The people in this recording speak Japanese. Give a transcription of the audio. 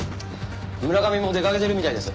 村上も出かけてるみたいです。